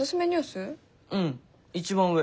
うん一番上。